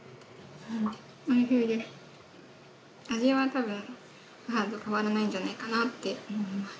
味は多分母と変わらないんじゃないかなって思います。